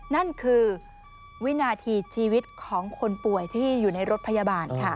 นั่นคือวินาทีชีวิตของคนป่วยที่อยู่ในรถพยาบาลค่ะ